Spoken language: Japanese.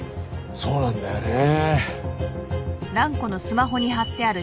そうなんだよねえ。